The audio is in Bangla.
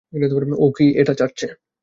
ও কি ওটা চাটছে?